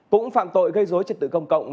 cũng phạm tội gây dối trật tự công cộng